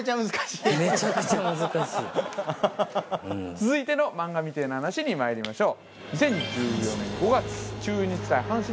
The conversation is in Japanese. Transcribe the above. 続いての「漫画みてぇな話」にまいりましょう。